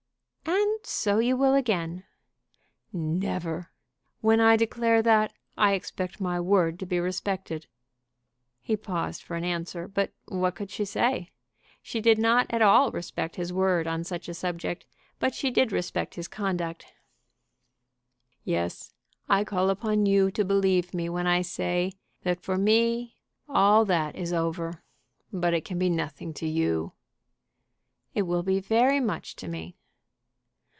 "And so you will again." "Never! When I declare that, I expect my word to be respected," He paused for an answer, but what could she say? She did not at all respect his word on such a subject, but she did respect his conduct. "Yes; I call upon you to believe me when I say that for me all that is over. But it can be nothing to you." "It will be very much to me."